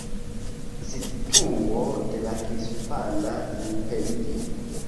Situo de la Hispana Imperio.